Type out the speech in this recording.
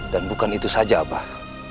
dan bukan itu saja abah